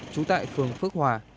trú tại phường phước hòa